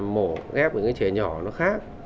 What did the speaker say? mổ ghép với trẻ nhỏ nó khác